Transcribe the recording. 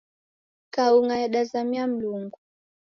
Kau'nga yadazamia Mlungu.